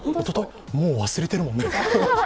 もう忘れてるもんね。